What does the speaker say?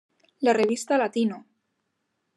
La revista "Latino!